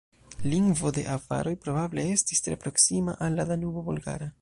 Lingvo de avaroj probable estis tre proksima al la Danubo-Bolgara.